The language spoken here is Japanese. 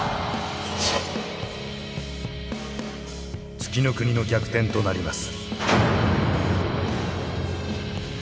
月ノ国の逆転となります。